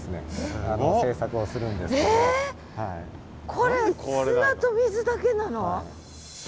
これ砂と水だけなの？